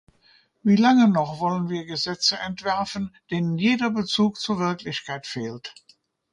Wie lange noch wollen wir Gesetze entwerfen, denen jeder Bezug zur Wirklichkeit fehlt?